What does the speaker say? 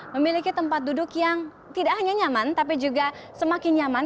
memiliki tempat duduk yang tidak hanya nyaman tapi juga semakin nyaman